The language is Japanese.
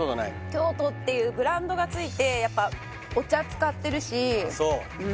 京都っていうブランドがついてやっぱお茶使ってるしあっそう？